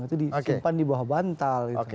itu disimpan di bawah bantal